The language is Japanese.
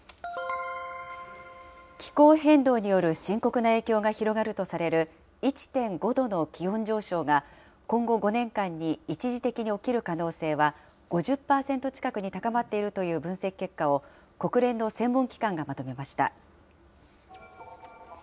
気候変動による深刻な影響が広がるとされる１．５度の気温上昇が、今後、５年間に一時的に起きる可能性は、５０％近くに高まっているという分析結果を国連の専門機関がまとめました。